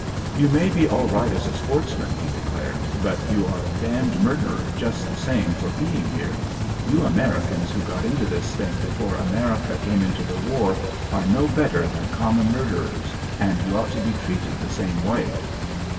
"You may be all right as a sportsman," he declared, "but you are a damned murderer just the same for being here. You Americans who got into this thing before America came into the war are no better than common murderers and you ought to be treated the same way!"